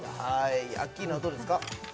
アッキーナはどうですか？